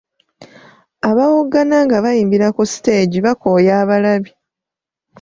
Abawoggana nga bayimbira ku siteegi bakooya abalabi.